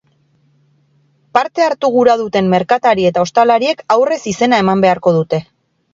Parte hartu gura duten merkatari eta ostalariek aurrez izena eman beharko dute.